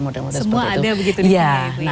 semua ada begitu di sana